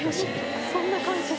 そんな感じで。